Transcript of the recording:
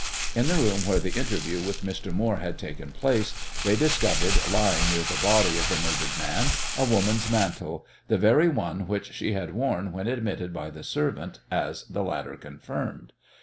In the room where the interview with Mr. Moore had taken place they discovered lying near the body of the murdered man a woman's mantle, the very one which she had worn when admitted by the servant, as the latter confirmed.